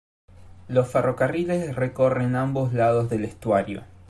Los ferrocarriles recorren ambos lados del estuario.